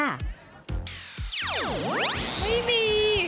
ไม่มี